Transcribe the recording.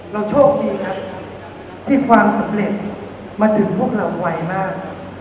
โชคดีครับที่ความสำเร็จมาถึงพวกเราไวมาก